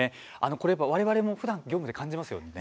これは我々もふだん業務で感じますよね。